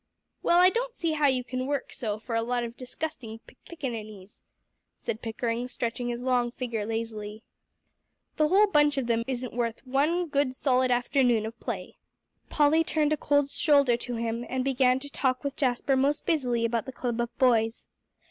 "Well, I don't see how you can work so for a lot of disgusting pickaninnies," said Pickering, stretching his long figure lazily. "The whole bunch of them isn't worth one good solid afternoon of play." Polly turned a cold shoulder to him, and began to talk with Jasper most busily about the club of boys.